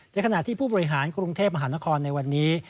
ขณะที่ผู้บริหารกรุงเทพมหานครในวันนี้